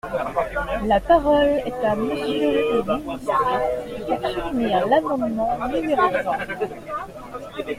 La parole est à Monsieur le ministre, pour soutenir l’amendement numéro trois.